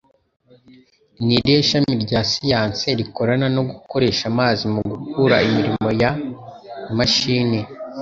Ni irihe shami rya siyanse rikorana no gukoresha amazi mu gukora imirimo ya mashini?